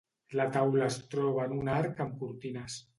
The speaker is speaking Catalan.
La taula es troba en un arc amb cortines.